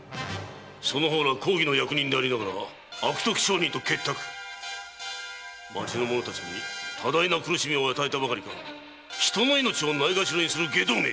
その方ら公儀の役人でありながら悪徳商人と結託町の者たちに多大な苦しみを与えたばかりか人の命をないがしろにする外道め！